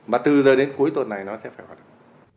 mà từ giờ đến cuối tuần này nó sẽ phải hoạt động